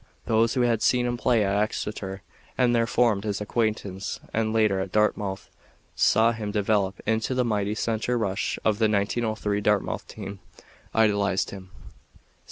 Those who had seen him play at Exeter and there formed his acquaintance and later at Dartmouth saw him develop into the mighty center rush of the 1903 Dartmouth team, idolized him.